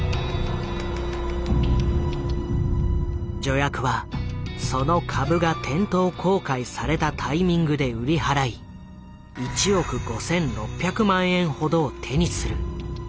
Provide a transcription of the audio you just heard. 助役はその株が店頭公開されたタイミングで売り払い１億５，６００万円ほどを手にする。